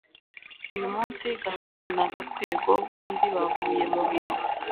uyu munsi gasore na gakwego bombi bavuye mu biro